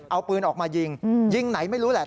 เอาปืนออกมายิงยิงไหนไม่รู้แหละ